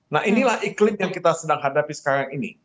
nah inilah iklim yang kita sedang hadapi sekarang ini